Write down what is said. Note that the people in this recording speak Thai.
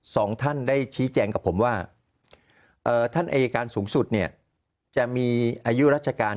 สองท่านได้ชี้แจงกับผมว่าท่านอายการสูงสุดเนี่ยจะมีอายุราชการ